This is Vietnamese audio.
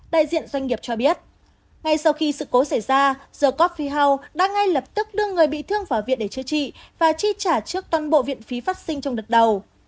đại diện doanh nghiệp cho biết ngay sau khi sự cố xảy ra the coph phi house đã ngay lập tức đưa người bị thương vào viện để chữa trị và chi trả trước toàn bộ viện phí phát sinh trong đợt đầu